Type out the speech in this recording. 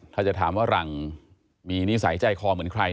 ถ้าจะถามว่าหลังมีนิสัยใจคอเหมือนใคร